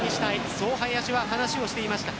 そう林は話をしていました。